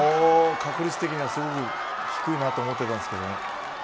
確率的にはすごい低いなと思っていたんですけれど。